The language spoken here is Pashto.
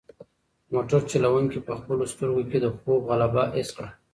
موټر چلونکی په خپلو سترګو کې د خوب غلبه حس کړه.